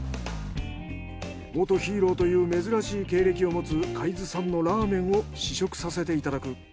元ヒーローという珍しい経歴を持つ海津さんのラーメンを試食させていただく。